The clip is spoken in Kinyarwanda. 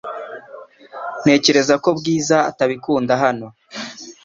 Ntekereza ko Bwiza atabikunda hano .